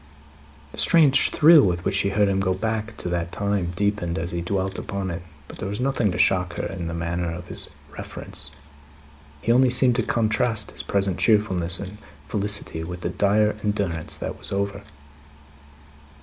The strange thrill with which she heard him go back to that time, deepened as he dwelt upon it; but, there was nothing to shock her in the manner of his reference. He only seemed to contrast his present cheerfulness and felicity with the dire endurance that was over.